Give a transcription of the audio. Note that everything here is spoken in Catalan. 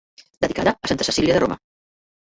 Dedicada a Santa Cecília de Roma.